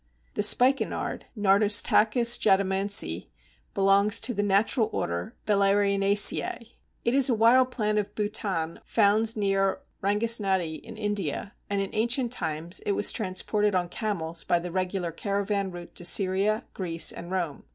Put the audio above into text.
The Spikenard (Nardostachys jatamansi) belongs to the natural order Valerianaceæ. It is a wild plant of Bhutan found near Rangasnati, in India, and in ancient times it was transported on camels by the regular caravan route to Syria, Greece, and Rome.